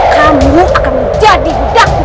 kamu akan menjadi budakku